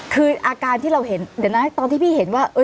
คืออาการที่เราเห็นเดี๋ยวนะตอนที่พี่เห็นว่า